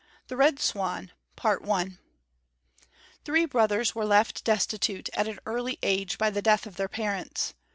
THE RED SWAN |THREE brothers were left destitute at an early age by the death of their parents.